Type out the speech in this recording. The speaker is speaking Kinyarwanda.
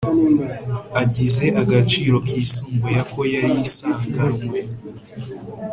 Agize agaciro kisumbuye ako yari isanganwe